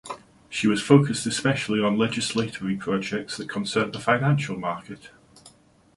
She was focused especially on legislatory projects that concerned the financial market.